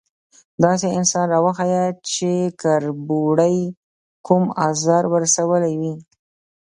_داسې انسان راوښيه چې کربوړي کوم ازار ور رسولی وي؟